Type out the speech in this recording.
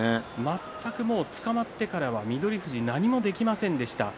全くつかまってから翠富士何もできませんでした。